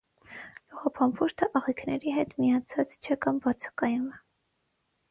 Լողափամփուշտը աղիքների հետ միացած չէ կամ բացակայում է։